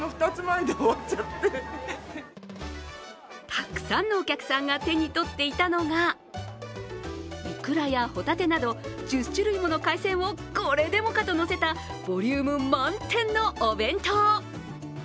たくさんのお客さんが手に取っていたのがイクラやホタテなど、１０種類もの海鮮をこれでもかとのせたボリューム満点のお弁当。